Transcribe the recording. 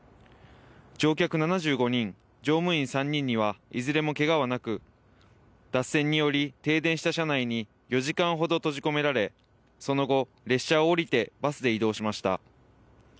乗客７５人、乗務員３人にはいずれもけがはなく脱線により停電した車内に４時間ほど閉じ込められその後、列車を降りてバスで移動しました。